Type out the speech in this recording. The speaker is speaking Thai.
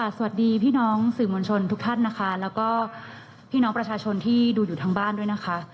สวัสดีพี่น้องสื่อมวลชนทุกท่านนะคะแล้วก็พี่น้องประชาชนที่ดูอยู่ทางบ้านด้วยนะคะ